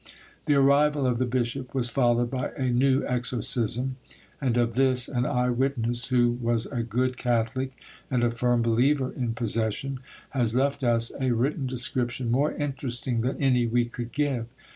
The arrival of the bishop was followed by a new exorcism; and of this an eye witness, who was a good Catholic and a firm believer in possession, has left us a written description, more interesting than any we could give.